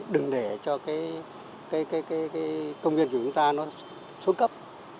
đừng để cho cái công viên của chúng ta nó xuống cấp